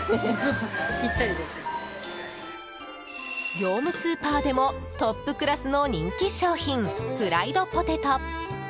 業務スーパーでもトップクラスの人気商品フライドポテト。